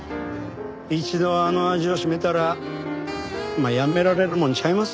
一度あの味を占めたら辞められるもんちゃいますけれども。